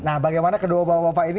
nah bagaimana kedua bapak bapak ini